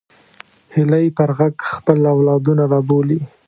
هیلۍ پر غږ خپل اولادونه رابولي